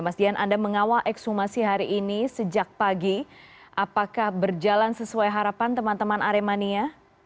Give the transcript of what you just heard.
mas dian anda mengawal ekshumasi hari ini sejak pagi apakah berjalan sesuai harapan teman teman aremania